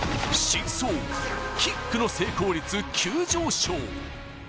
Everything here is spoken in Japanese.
真相、キックの成功率、急上昇。